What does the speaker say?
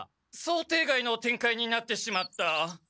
想定外のてん開になってしまった。